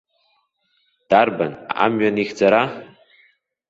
Дарбан амҩан ихьӡара?